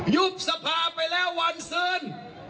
ยุบสภาไปแล้ววันซื้น